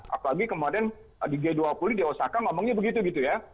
apalagi kemarin di g dua puluh di osaka ngomongnya begitu gitu ya